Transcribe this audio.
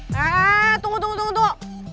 aaaa tunggu tunggu tunggu tunggu